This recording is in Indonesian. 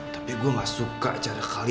tapi gue gak suka cakap cakap sama dia